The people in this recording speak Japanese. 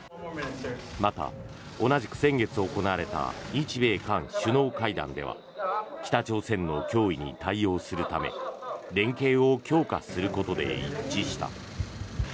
また、同じく先月行われた日米韓首脳会談では北朝鮮の脅威に対応するため連携を強化することで一致した。